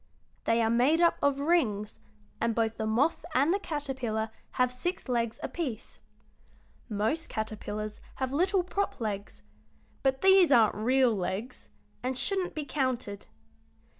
They are made up of rings, and both the moth and the caterpillar have six legs apiece. Most caterpillars have little prop legs, but these aren't real legs and shouldn't be counted.